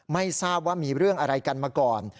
ไม่ทราบว่ามีเรื่องอะไรกันมาก่อน